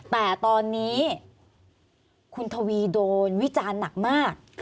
แต่ตอนนี้คุณทวีโดนวิจารณ์หนักมาก